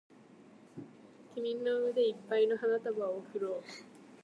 君に腕いっぱいの花束を贈ろう